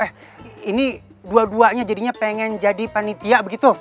eh ini dua duanya jadinya pengen jadi panitia begitu